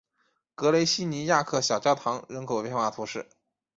格雷西尼亚克小教堂人口变化图示